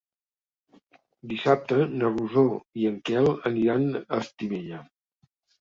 Dissabte na Rosó i en Quel aniran a Estivella.